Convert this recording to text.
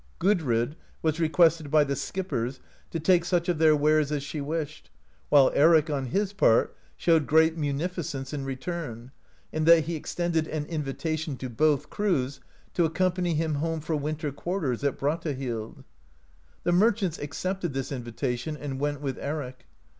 Gudrid was requested by the skippers to take such of their wares as she wished, while Eric, on his part, showed great munificence in re turn, in that he extended an invitation to both crews to accompany him home for winter quarters at Brattahlid. The merchants accepted this invitation, and went with Eric.